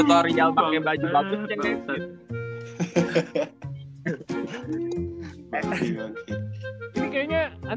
kutori yang pake baju bagus cek neset